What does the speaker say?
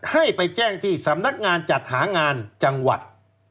ให้ไปแจ้งที่สำนักงานจัดหางานจังหวัด